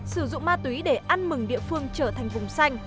sử dụng ma túy để ăn mừng địa phương trở thành vùng xanh